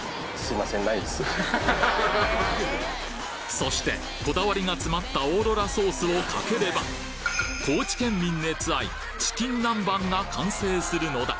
そしてこだわりが詰まったオーロラソースをかければ高知県民熱愛チキンナンバンが完成するのだ